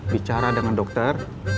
bicara dengan dokter